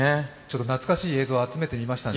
懐かしい映像を集めてみましたので。